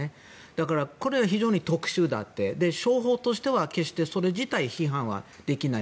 だからこれは非常に特殊であって商法としては決してそれ自体、批判できない。